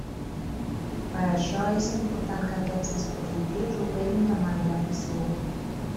Per això, és important que aquests dispositius operin de manera eficient.